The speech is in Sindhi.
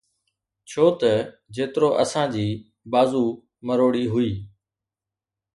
ڇو ته جيترو اسان جي بازو مروڙي هئي.